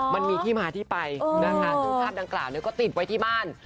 มันมีที่มาที่ไปนะคะซึ่งภาพดังกล่าวก็ติดไว้ที่บ้าน